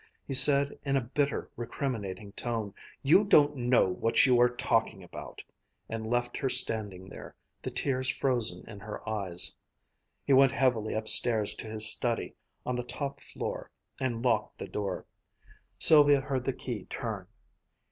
He said in a bitter, recriminating tone, "You don't know what you are talking about," and left her standing there, the tears frozen in her eyes. He went heavily upstairs to his study on the top floor and locked the door. Sylvia heard the key turn.